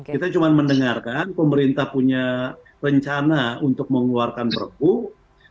kita cuma mendengarkan pemerintah punya rencana untuk mengeluarkan perpu